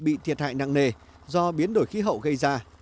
bị thiệt hại nặng nề do biến đổi khí hậu gây ra